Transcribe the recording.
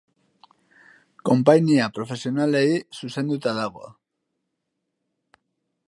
Konpainia profesionalei zuzenduta dago.